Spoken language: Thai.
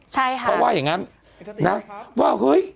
ใช่ค่ะเขาว่าอย่างงั้นนะว่าเฮ้ย